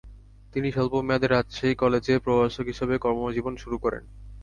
তিনি স্বল্প মেয়াদে রাজশাহী কলেজে প্রভাষক হিসাবে কর্মজীবন শুরু করেন ।